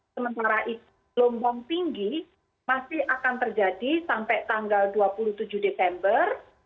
sementara itu lombong tinggi masih akan terjadi sampai tanggal dua puluh tujuh desember